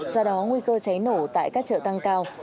do đó nguy cơ cháy nổ tại các chợ tăng cao